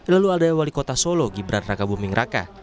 lalu ada wali kota solo gibran raka buming raka